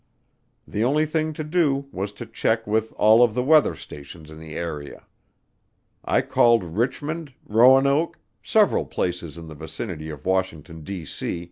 The only thing to do was to check with all of the weather stations in the area. I called Richmond, Roanoke, several places in the vicinity of Washington, D.C.